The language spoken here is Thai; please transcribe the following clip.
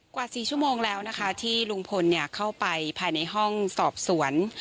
กว่า๔ชั่วโมงแล้วนะคะที่ลุงพลเข้าไปภายในห้องสอบสวน